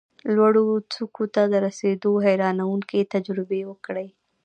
لوړو څوکو ته د رسېدو حیرانوونکې تجربې وکړې،